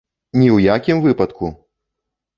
Ні ў якім выпадку!